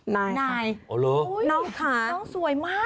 นายน้องค่ะน้องสวยมาก